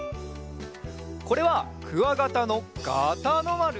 これはクワガタのガタのまる！